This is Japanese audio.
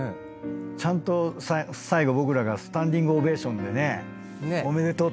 ちゃんと最後僕らがスタンディングオベーションでね。